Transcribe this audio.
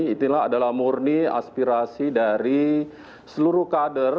itulah adalah murni aspirasi dari seluruh kader